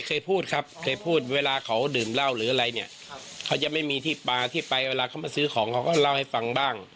เคยพูดครับเคยพูดเวลาเขาดื่มเหล้าหรืออะไรเนี่ยเขาจะไม่มีที่ปลาที่ไปเวลาเขามาซื้อของเขาก็เล่าให้ฟังบ้าง